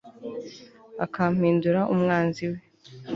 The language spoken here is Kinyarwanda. akampindura umwanzi we